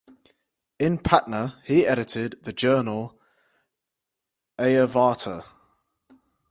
In Patna he edited the journal "Aryavarta".